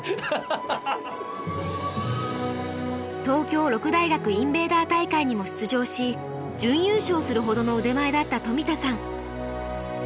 東京六大学インベーダー大会にも出場し準優勝するほどの腕前だった冨田さん。